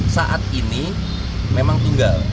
saat ini memang tunggal